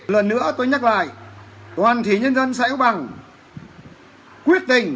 lần nữa tôi nhắc lại toàn thể nhân dân sẽ bằng quyết định